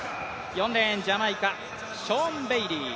４レーン、ジャマイカ、ショーン・ベイリー。